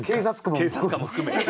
警察官も含め。